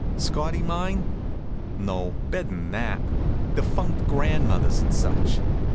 Scotty mine? No, better'n that defunct grandmothers and such.